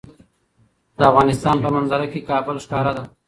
د افغانستان په منظره کې کابل ښکاره ده.